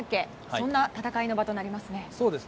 そんな戦いの場となりますね。